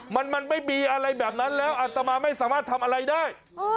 มันไม่มีอะไรแบบนั้นแล้วอัตมาไม่สามารถทำอะไรได้